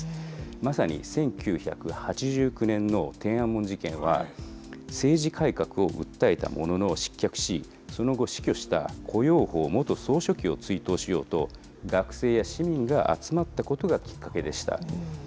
まさに１９８９年の天安門事件は、政治改革を訴えたものの失脚し、その後、死去した胡耀邦元総書記を追悼しようと、学生や市民が集まったことがきっかけでした。